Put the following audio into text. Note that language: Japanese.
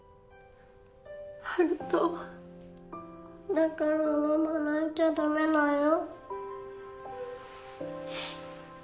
だからママ泣いちゃダメだよ。